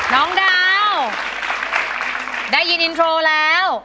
น้องดาวได้ยินอินโทรแล้ว